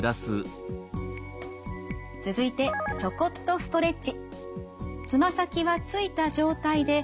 続いてちょこっとストレッチ。